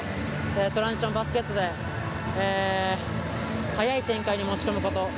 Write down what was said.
トランジションバスケットで早い展開に持ち込むこと。